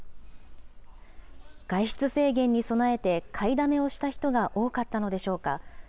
外出制限に備えて、買いだめをした人が多かったのでしょうか。